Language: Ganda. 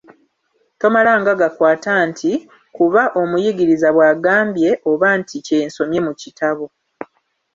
Tomalanga gakwata nti: Kuba omuyigiriza bw'agambye oba nti kye nsomye mu kitabo.